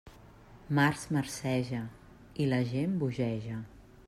Març marceja... i la gent bogeja.